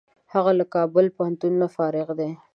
هغه له کابل پوهنتونه فارغ دی.